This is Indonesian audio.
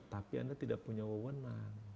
tapi anda tidak punya wawonan